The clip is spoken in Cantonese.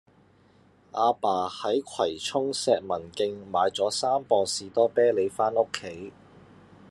亞爸喺葵涌石文徑買左三磅士多啤梨返屋企